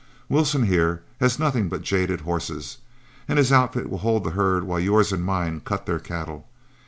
Wilson, here, has nothing but jaded horses, and his outfit will hold the herd while yours and mine cut their cattle.